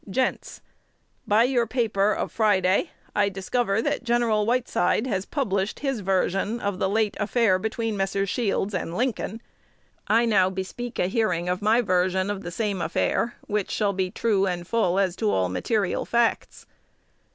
Gents, By your paper of Friday, I discover that Gen. Whiteside has published his version of the late affair between Messrs. Shields and Lincoln. I now bespeak a hearing of my version of the same affair, which shall be true and full as to all material facts.